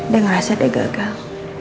dan ngerasa dia gagal